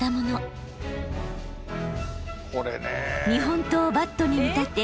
日本刀をバットに見立て